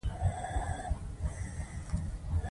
سیلابونه د افغانستان د صادراتو برخه ده.